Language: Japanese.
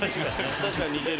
確かに似てる。